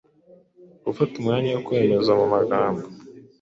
gufata umwanya wo kwemeza mu magambo